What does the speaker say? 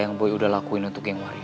yang boy udah lakuin untuk geng warrior